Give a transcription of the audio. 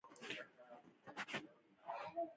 له لرګي څخه جوړ بل مهم محصول کاغذ دی د ژوند لپاره.